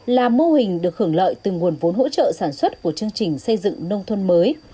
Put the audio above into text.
là mô hình được hưởng lợi từ nguồn vốn hỗ trợ sản xuất của chương trình xây dựng nông thôn mới